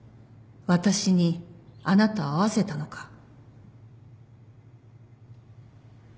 私にあなたを会わせたのか。